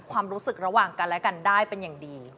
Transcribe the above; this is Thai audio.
ความรู้สึกระหว่างกันและกันได้เป็นอย่างดี